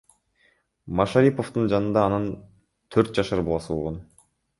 Машариповдун жанында анын төрт жашар баласы болгон.